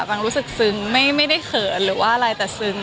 รู้สึกซึ้งไม่ได้เขินหรือว่าอะไรแต่ซึ้ง